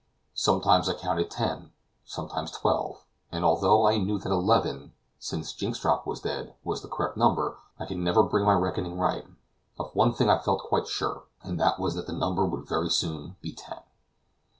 Sometimes I counted ten, sometimes twelve, and although I knew that eleven, since Jynxstrop was dead, was the correct number, I could never bring my reckoning right. Of one thing I felt quite sure, and that was that the number would very soon be ten.